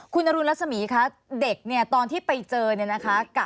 คุณนรุนรัศมียคะเด็กตอนที่ไปเจอนะคะ